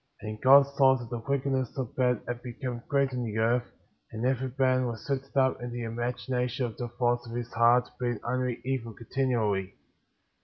22. And God saw that the wickedness of men had become great in the earth; and every man was lifted up in the imagination of the thoughts of his heart, being only evil continually.